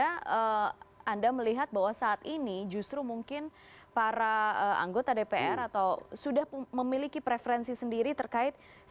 oke atau justru menurut anda anda melihat bahwa saat ini justru mungkin para anggota dpr atau sudah memiliki preferensi sendiri terkait dengan dpr